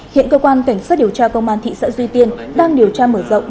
hiện cơ quan cảnh sát điều tra công an thị xã duy tiên đang điều tra mở rộng